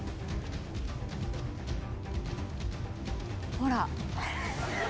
「ほら。